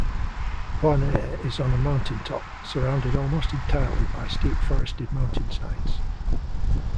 Bon Air is on a mountaintop, surrounded almost entirely by steep forested mountainsides.